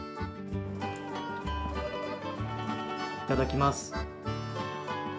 いただきます。